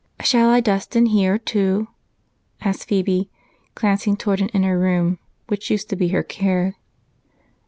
"Shall I dust in here too?" asked Phebe, glancing toward an inner room which used to be her care.